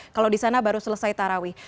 kalau di sana baru selesai tarawih